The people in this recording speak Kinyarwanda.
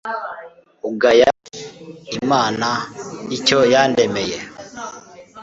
ugaya imana icyo yandemeye